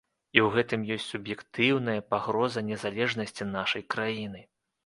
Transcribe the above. І ў гэтым ёсць суб'ектыўная пагроза незалежнасці нашай краіны.